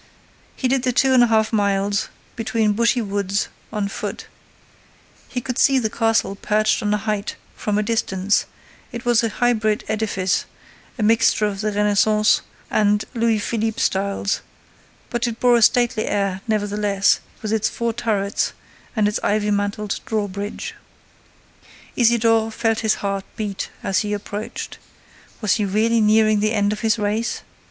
He did the two and a half miles, between bushy woods, on foot. He could see the castle, perched on a height, from a distance: it was a hybrid edifice, a mixture of the Renascence and Louis Philippe styles, but it bore a stately air, nevertheless, with its four turrets and its ivy mantled draw bridge. Isidore felt his heart beat as he approached. Was he really nearing the end of his race?